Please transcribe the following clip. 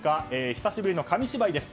久しぶりの紙芝居です。